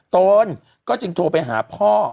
ตนก็จึงโทรไปหาพ่อ